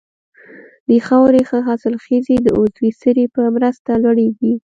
د خاورې ښه حاصلخېزي د عضوي سرې په مرسته لوړیږي.